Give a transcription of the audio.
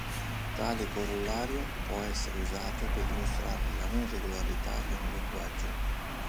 Tale corollario può essere usato per dimostrare la non regolarità di un linguaggio.